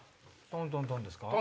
トントントンです。